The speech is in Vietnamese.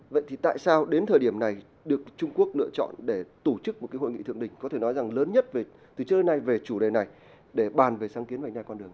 vậy thì tại sao đến thời điểm này được trung quốc lựa chọn để tổ chức một cái hội nghị thượng đỉnh có thể nói rằng lớn nhất từ trước đến nay về chủ đề này để bàn về sáng kiến vành đai con đường